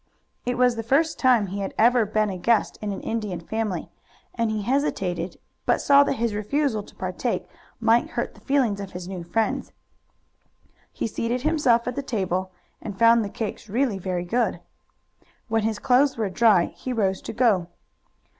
It was the first time he had ever been a guest in an Indian family, and he hesitated, but saw that his refusal to partake might hurt the feelings of his new friends. He seated himself at the table, and found the cakes really very good. When his clothes were dry he rose to go.